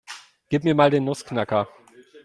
Gib mir mal den Nussknacker.